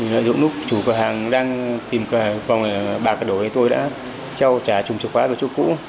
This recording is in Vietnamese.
lại dụng lúc chủ cửa hàng đang tìm cửa hàng vòng bạc đổi thì tôi đã treo trà trùm chìa khóa vào chỗ cũ